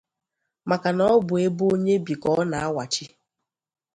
maka na ọ bụ ebe onye bi ka ọ na-awàchi.